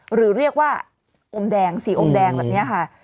หรือเรียกว่าอมแดงสีอมแดงแบบนี้ค่ะ